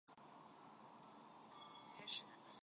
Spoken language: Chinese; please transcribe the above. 三年学成。